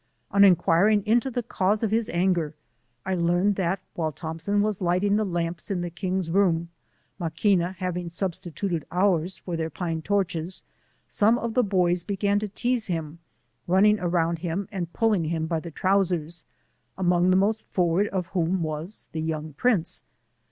On enquiring into the cause of his auger, 1 learn* ed that while Thompson was lighting the lamps in the king's room, Maquina having subslituted our's for their pine torches, some of the boys began to teaze him, running around him and pulling him by the trowsers, among the most forward of whom was the young prince.